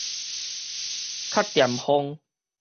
較恬風